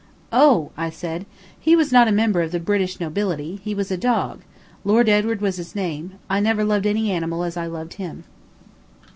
"Oh," I said, "he was not a member of the British nobility; he was a dog; Lord Edward was his name. I never loved any animal as I loved him."